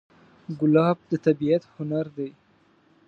ګلاب د طبیعت هنر دی.